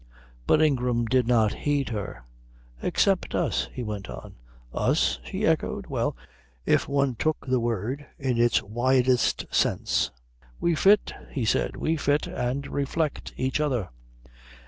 But Ingram did not heed her. "Except us," he went on. "Us?" she echoed. Well, if one took the word in its widest sense. "We fit," he said. "We fit, and reflect each other.